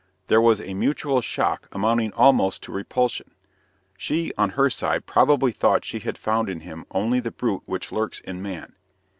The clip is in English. There was a mutual shock amounting almost to repulsion. She, on her side, probably thought she had found in him only the brute which lurks in man.